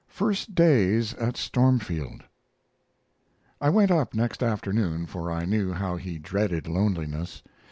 FIRST DAYS AT STORMFIELD I went up next afternoon, for I knew how he dreaded loneliness.